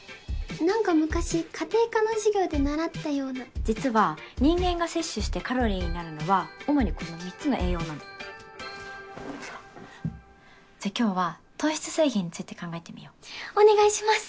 何か昔家庭科の授業で習ったような実は人間が摂取してカロリーになるのは主にこの３つの栄養なのじゃあ今日は糖質制限について考えてみようお願いします